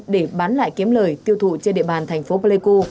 để bán lại kiếm lời tiêu thụ trên địa bàn thành phố pleiku